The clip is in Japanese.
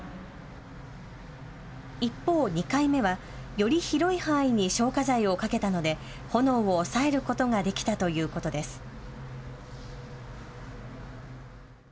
一方、２回目はより広い範囲に消火剤をかけたので炎を抑えることができたということです。